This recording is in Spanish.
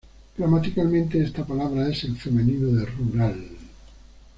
Gramaticalmente, esta palabra es el femenino de "rural".